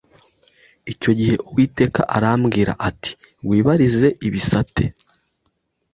Icyo gihe Uwiteka arambwira ati Wib rize ibisate